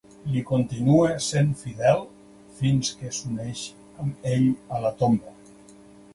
Li continua sent fidel fins que s'uneixi amb ell a la tomba.